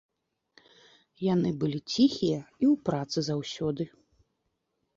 Яны былі ціхія і ў працы заўсёды.